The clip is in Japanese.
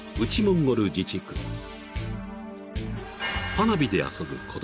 ［花火で遊ぶ子供］